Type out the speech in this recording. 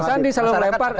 mas andi selalu lempar